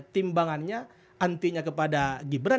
timbangannya antinya kepada gibran